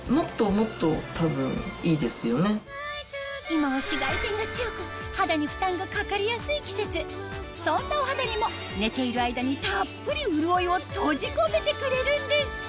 今は紫外線が強く肌に負担がかかりやすい季節そんなお肌にも寝ている間にたっぷり潤いを閉じ込めてくれるんです